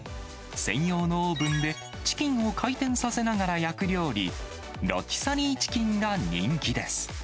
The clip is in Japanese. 専用のオーブンでチキンを回転させながら焼く料理、ロティサリーチキンが人気です。